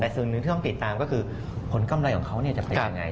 แต่สิ่งหนึ่งที่ต้องติดตามก็คือผลกำไรของเขาจะเป็นยังไง